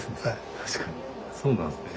あそうなんですね。